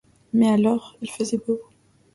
Mais alors « il faisait beau ».